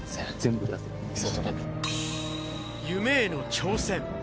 夢への挑戦。